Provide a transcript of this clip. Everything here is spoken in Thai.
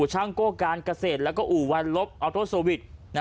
ช่างโกการเกษตรแล้วก็อู่วันลบเอาโทรสวิทน่ะ